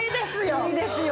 いいですよ。